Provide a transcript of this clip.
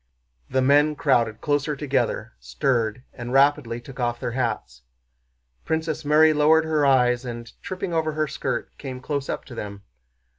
The men crowded closer together, stirred, and rapidly took off their hats. Princess Mary lowered her eyes and, tripping over her skirt, came close up to them.